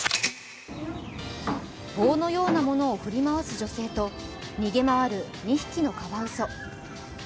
棒のようなものを振り回す女性と逃げ回る２匹のカワウソ。